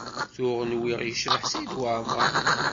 Tuɣ nwiɣ yecbeḥ Saɛid Waɛmaṛ.